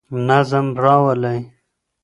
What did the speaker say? نظم راولئ.